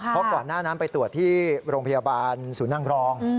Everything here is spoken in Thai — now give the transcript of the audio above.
เพราะก่อนหน้านั้นไปตรวจที่โรงพยาบาลศูนย์นั่งรอง